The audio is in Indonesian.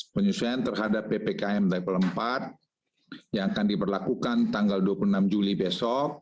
penyesuaian terhadap ppkm level empat yang akan diberlakukan tanggal dua puluh enam juli besok